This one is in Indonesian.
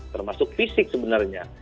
termasuk fisik sebenarnya